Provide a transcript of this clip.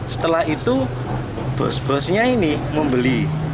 setelah itu bos bosnya ini membeli